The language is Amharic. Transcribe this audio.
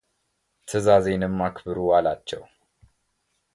ትዕዛዜንም አክብሩ አላቸው፡፡